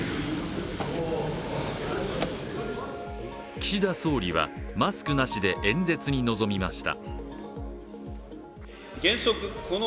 岸田総理はマスクなしで演説に臨みました。